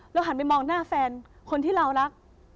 หันไปมองหน้าแฟนคนที่เรารัก